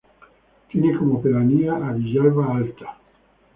Tiene como pedanía a Villalba Alta.